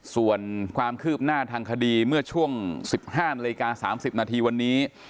ส่วนความคืบหน้าทางคดีเมื่อช่วง๑๕นาฬิกา๓๐นาทีวันนี้